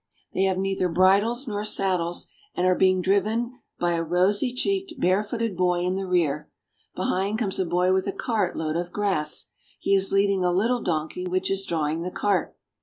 They have neither bridles nor saddles, and are being driven byasrosy cheeked, barefooted boy in the rear. Behind comes a boy with a cart load of grass; he is leading a little donkey which is drawing the cart.